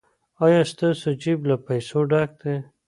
ایا ستاسو جیب له پیسو ډک دی؟